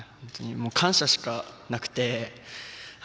感謝しかなくて。